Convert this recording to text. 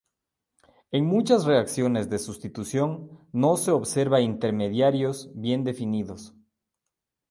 En muchas reacciones de sustitución, no se observa intermediarios bien definidos.